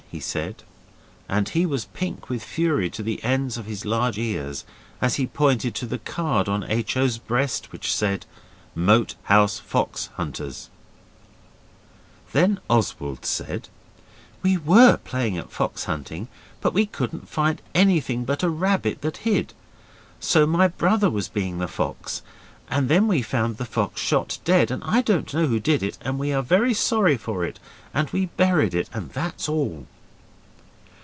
he said, and he was pink with fury to the ends of his large ears, as he pointed to the card on H. O.'s breast, which said, 'Moat House Fox Hunters'. Then Oswald said, 'We WERE playing at fox hunting, but we couldn't find anything but a rabbit that hid, so my brother was being the fox; and then we found the fox shot dead, and I don't know who did it; and we were sorry for it and we buried it and that's all.